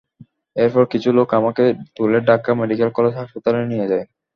এরপর কিছু লোক আমাকে তুলে ঢাকা মেডিকেল কলেজ হাসপাতালে নিয়ে যায়।